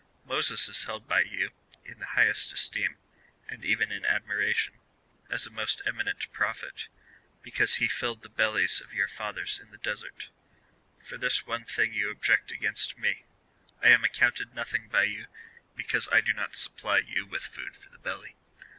" Moses is held by you in the highest esteem, and even in admiration, as a most eminent Proj)het, because he filled the bellies of your fathers in the desert. For this one thing you object against me : I am accounted nothing by you, because I do not supj)ly you with food for the belly.